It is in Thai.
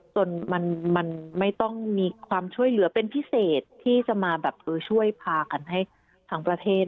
จนมันไม่ต้องมีความช่วยเหลือเป็นพิเศษที่จะมาแบบช่วยพากันให้ทั้งประเทศ